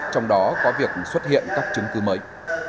trong đó có việc xuất hiện các chứng cứ mới